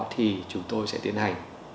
thì chúng tôi sẽ tiến hành